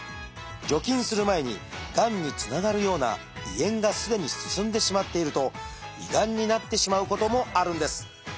除菌する前にがんにつながるような胃炎がすでに進んでしまっていると胃がんになってしまうこともあるんです。